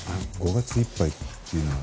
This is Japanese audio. ５月いっぱいっていうのは？